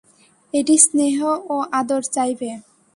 এটি স্নেহ ও আদর চাইবে।